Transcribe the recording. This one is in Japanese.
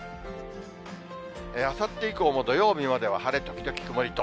あさって以降も土曜日までは晴れ時々曇りと。